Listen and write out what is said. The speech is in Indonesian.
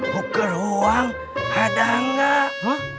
huker uang ada gak